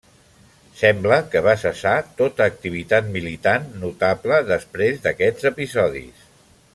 Sembla que va cessar tota activitat militant notable després d'aquests episodis.